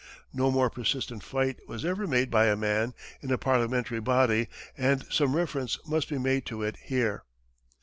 No more persistent fight was ever made by a man in a parliamentary body and some reference must be made to it here.